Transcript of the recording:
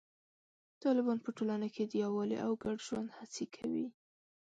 طالبان په ټولنه کې د یووالي او ګډ ژوند هڅې کوي.